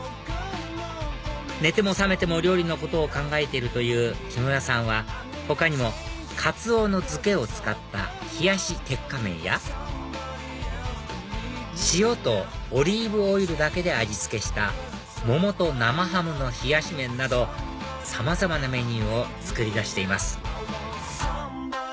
寝ても覚めても料理のことを考えているという木村さんは他にもカツオの漬けを使った冷し鉄火麺や塩とオリーブオイルだけで味付けした桃と生ハムの冷し麺などさまざまなメニューを作り出しています